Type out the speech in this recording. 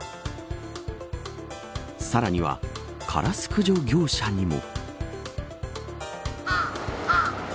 さらには、カラス駆除業者にも。